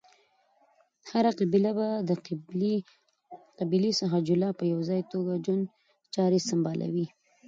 هره قبیله به د قبیلی څخه جلا په یواځی توګه ژوند چاری سمبالولی